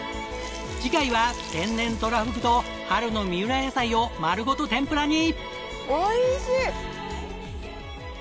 次回は天然トラフグと春の三浦野菜を丸ごと天ぷらに！